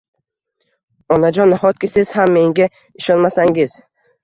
Onajon nahotki siz ham menga ishonmasangiz?